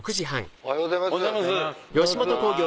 おはようございます。